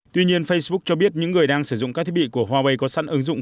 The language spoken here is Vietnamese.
tuy nhiên facebook cho biết những người đang sử dụng các thiết bị của huawei có sẵn ứng dụng